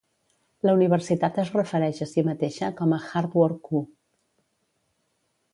La universitat es refereix a si mateixa com a "Hard Work U".